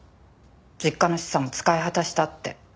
実家の資産も使い果たしたって。